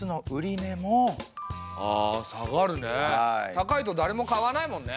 高いとだれも買わないもんね。